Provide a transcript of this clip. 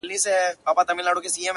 وجدان ورو ورو مري دننه تل,